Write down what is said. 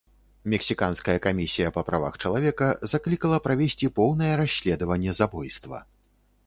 Мексіканская камісія па правах чалавека заклікала правесці поўнае расследаванне забойства.